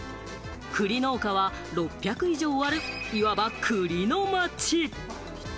栗農家は６００以上ある、いわば栗の町。